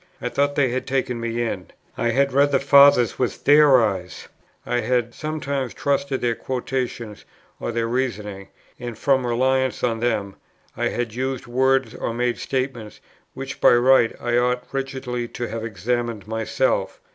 I thought they had taken me in; I had read the Fathers with their eyes; I had sometimes trusted their quotations or their reasonings; and from reliance on them, I had used words or made statements, which by right I ought rigidly to have examined myself.